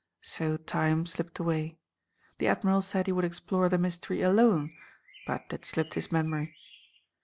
So time slipped away. The Admiral said he would explore the mystery alone, but it slipped his memory.